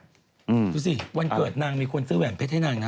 ดูสิวันเกิดนางมีคนซื้อแหวนเพชรให้นางนะ